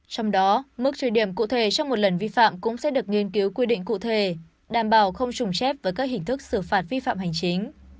trong đó mức truy điểm cụ thể trong một lần vi phạm cũng sẽ được nghiên cứu quy định cụ thể đảm bảo không trùng chép với các hình thức xử phạt vi phạm hành chính